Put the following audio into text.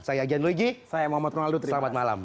saya agyan luigi saya mohd rinaldo terima kasih selamat malam